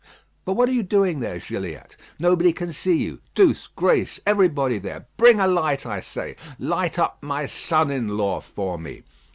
But what are you doing there, Gilliatt? Nobody can see you. Douce, Grace, everybody there! Bring a light, I say. Light up my son in law for me.